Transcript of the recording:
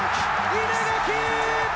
稲垣！